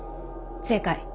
正解。